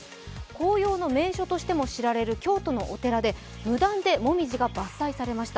紅葉の名所としても知られる京都のお寺で無断でもみじが伐採されました。